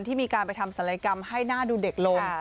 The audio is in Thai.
ที่มีการไปทำศัลยกรรมให้หน้าดูเด็กลง